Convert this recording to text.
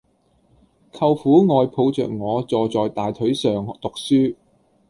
舅父愛抱着我坐在大腿上讀書